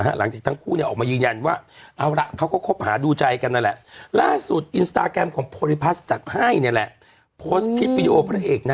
หลังจากทั้งคู่เนี่ยออกมายืนยันว่าเอาละเขาก็คบหาดูใจกันแหละ